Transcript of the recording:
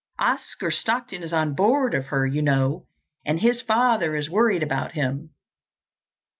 Oscar Stockton is on board of her, you know, and his father is worried about him.